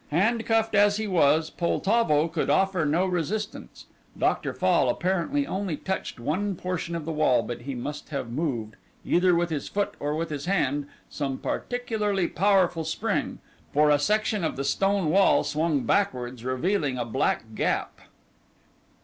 Handcuffed as he was, Poltavo could offer no resistance. Dr. Fall apparently only touched one portion of the wall, but he must have moved, either with his foot or with his hand, some particularly powerful spring, for a section of the stone wall swung backwards revealing a black gap.